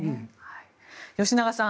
吉永さん